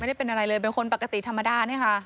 ได้เป็นอะไรเลยเป็นคนปกติธรรมดาเนี่ยค่ะ